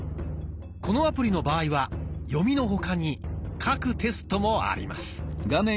このアプリの場合は「読み」の他に「書く」テストもあります。